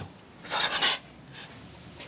それがね。